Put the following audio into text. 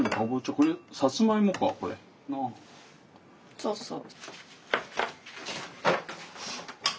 そうそう。